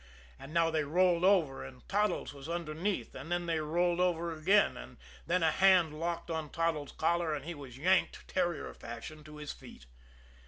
And now they rolled over, and Toddles was underneath; and then they rolled over again; and then a hand locked on Toddles' collar, and he was yanked, terrier fashion, to his feet.